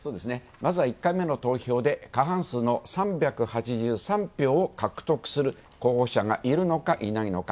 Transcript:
まずは、１回目の投票で過半数の３８３票を獲得する候補者がいるのか、いないのか。